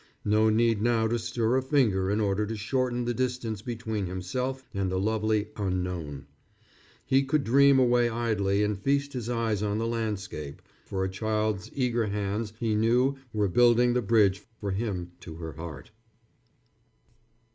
No need now to stir a finger in order to shorten the distance between himself and the lovely Unknown. He could dream away idly and feast his eyes on the landscape, for a child's eager hands, he knew, were building the bridge for him to her heart.